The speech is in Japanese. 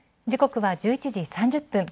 時刻は１１時３０分。